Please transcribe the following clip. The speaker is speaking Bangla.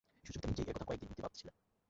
সুচরিতা নিজেই এ কথা কয়েক দিন হইতে ভাবিতেছিল।